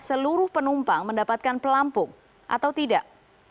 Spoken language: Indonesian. seluruh penumpang mendapatkan pelampung atau tidak